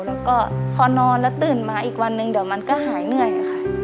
แล้วก็พอนอนแล้วตื่นมาอีกวันหนึ่งเดี๋ยวมันก็หายเหนื่อยค่ะ